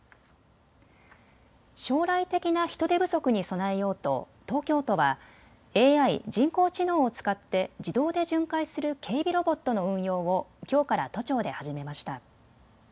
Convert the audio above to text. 将来的な人手不足に備えようと東京都はＡＩ・人工知能を使って自動で巡回する警備ロボットの運用をきょうから都庁で始めました。